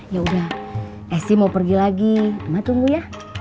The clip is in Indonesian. yaudah esi mau pergi lagi emak tunggu ya